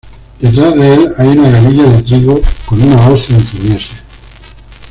Detrás de el hay una gavilla de trigo con una hoz entre mieses.